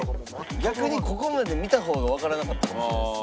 逆にここまで見た方がわからなかったかもしれないです。